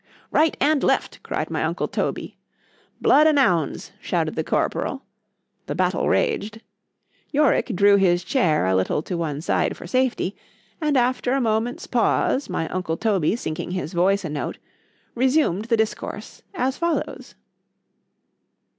_——Right and left, cried my uncle Toby.——Blood an' ounds, shouted the corporal;——the battle raged,——Yorick drew his chair a little to one side for safety, and after a moment's pause, my uncle Toby sinking his voice a note,—resumed the discourse as follows.